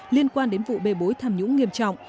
liên quan đến vụ bê bối tham nhũng nghiêm trọng